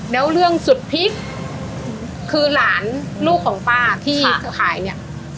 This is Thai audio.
แล้วเรื่องสุดพลิกคือหลานลูกของป้าที่จะขายเนี่ย